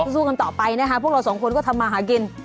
สู้กันต่อไปนะคะพวกเราสองคนก็ทำมาหากิน